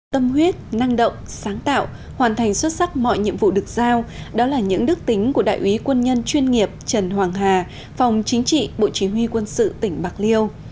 tâm huyết năng động sáng tạo hoàn thành xuất sắc mọi nhiệm vụ được giao đó là những đức tính của đại úy quân nhân chuyên nghiệp trần hoàng hà phòng chính trị bộ chỉ huy quân sự tỉnh bạc liêu